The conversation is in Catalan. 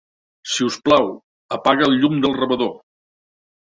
Si us plau, apaga el llum del rebedor.